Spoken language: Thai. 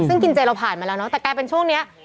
ซึ่งกินเจเราผ่านมาแล้วเนาะแต่กลายเป็นช่วงนี้